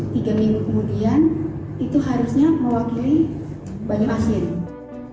tiga minggu kemudian itu harusnya mewakili banyu asin